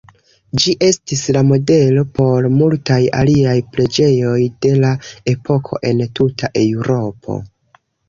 Ĝi estis la modelo por multaj aliaj preĝejoj de la epoko en tuta Eŭropo.